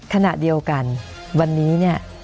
ขณะเดียวกันวันนี้เนี่ย